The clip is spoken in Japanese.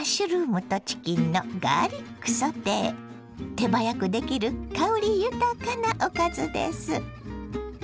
手早くできる香り豊かなおかずです。